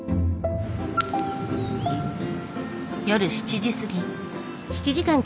夜７時過ぎ。